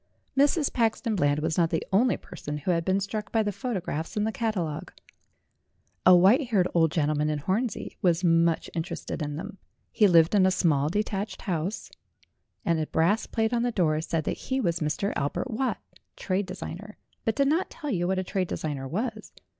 Mrs. Paxton Bland was not the only person who had been struck by the photographs in the catalogue. A white haired old gentleman in Hornsey was much interested in them. He lived in a small detached house, and a brass plate on the door said that he was Mr. Albert Watt, trade designer, but did not tell you what a trade designer was.